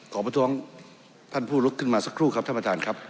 ประท้วงท่านผู้ลุกขึ้นมาสักครู่ครับท่านประธานครับ